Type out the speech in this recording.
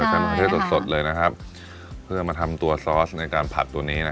ใช้มะเขือเทศสดสดเลยนะครับเพื่อมาทำตัวซอสในการผัดตัวนี้